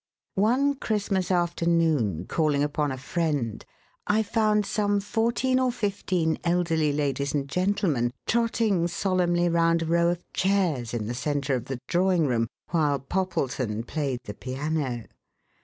One Christmas afternoon, calling upon a friend, I found some fourteen or fifteen elderly ladies and gentlemen trotting solemnly round a row of chairs in the centre of the drawing room while Poppleton played the piano.